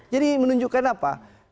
jadi menunjukkan apa